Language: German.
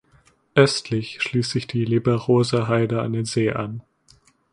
Östlich schließt sich die Lieberoser Heide an den See an.